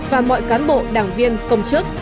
và mọi cán bộ đảng viên công chức